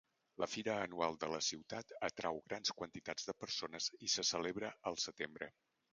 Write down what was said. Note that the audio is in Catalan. La fira anual de la ciutat atrau grans quantitats de persones i se celebra al setembre.